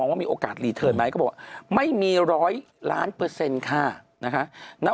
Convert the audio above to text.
ว่ามีโอกาสรีเทิร์นไหมเขาบอกไม่มีร้อยล้านเปอร์เซ็นต์ค่ะนะคะ